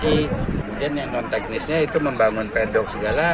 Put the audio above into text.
kemudian yang non teknisnya itu membangun pedok segala